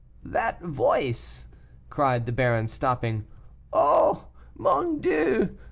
"That voice!" cried the baron, stopping. "Oh! mon Dieu!